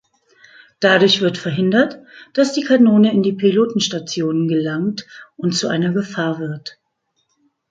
Dadurch wird verhindert, dass die Kanone in die Pilotenstationen gelangt und zu einer Gefahr wird.